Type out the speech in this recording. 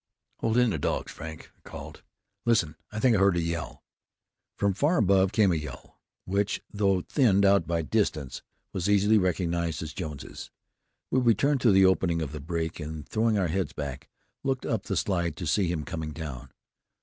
"Hold in the dogs, Frank," I called. "Listen. I think I heard a yell." From far above came a yell, which, though thinned out by distance, was easily recognized as Jones's. We returned to the opening of the break, and throwing our heads back, looked up the slide to see him coming down.